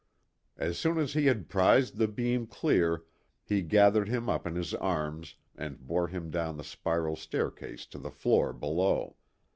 As soon as he had prized the beam clear he gathered him up in his arms and bore him down the spiral staircase to the floor below.